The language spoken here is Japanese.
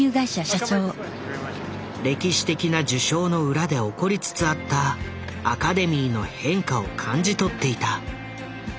歴史的な受賞の裏で起こりつつあったアカデミーの変化を感じ取っていた。